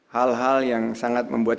hal hal yang sangat membuat